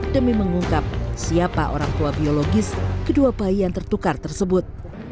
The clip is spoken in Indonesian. demi mengungkap siapa orang tua biologis kedua bayi yang tertukar tersebut